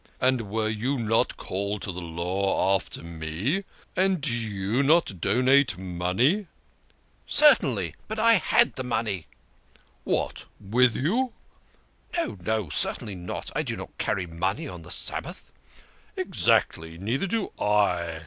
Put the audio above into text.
"And were you not called to the Law after me? And did you not donate money? "" Certainly ! But I had the money." "What! 0%4you?" " No, no, certainly not. I do not carry money on the Sabbath." " Exactly. Neither do I."